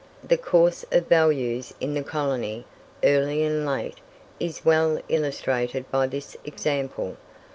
The course of values in the colony, early and late, is well illustrated by this example.